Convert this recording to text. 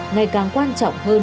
ngày càng quan trọng